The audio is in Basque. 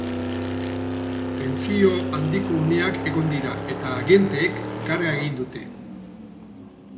Tentsio handiko uneak egon dira, eta agenteek karga egin dute.